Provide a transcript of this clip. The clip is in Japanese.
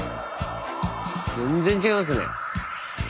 全然違いますね。